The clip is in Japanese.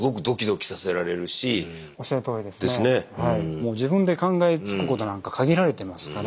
もう自分で考えつくことなんか限られてますから。